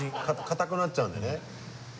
かたくなっちゃうんでね。